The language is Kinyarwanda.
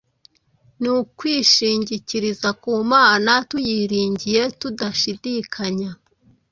ni ukwishingikiriza ku Mana tuyiringiye tudashidikanya